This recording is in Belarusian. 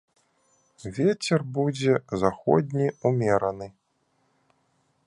Вецер будзе заходні ўмераны.